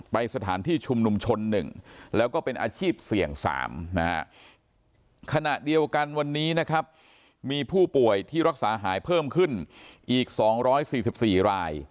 ไปสถานที่ชุมนุมชน๑แล้วก็เป็นอาชีพเสี่ยง๓นะฮะขณะเดียวกันวันนี้นะครับมีผู้ป่วยที่รักษาหายเพิ่มขึ้นอีก๒๔๔ราย